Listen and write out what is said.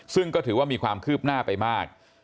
ซึ่งก็ถือว่ามีความคืบหน้าไปมาก